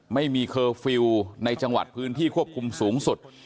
เคอร์ฟิลล์ในจังหวัดพื้นที่ควบคุมสูงสุด